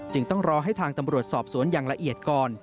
ต้องรอให้ทางตำรวจสอบสวนอย่างละเอียดก่อน